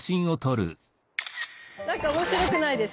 なんか面白くないですか？